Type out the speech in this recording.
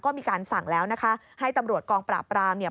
ก็มีการสั่งแล้วนะคะให้ตำรวจกองปราบรามเนี่ย